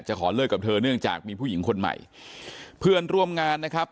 ขอเลิกกับเธอเนื่องจากมีผู้หญิงคนใหม่เพื่อนร่วมงานนะครับ